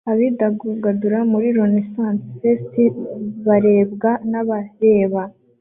Abidagadura muri Renaissance Fest barebwa nabareba